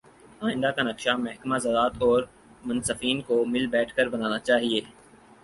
آئندہ کا نقشہ محکمہ زراعت اورمنصفین کو مل بیٹھ کر بنانا چاہیے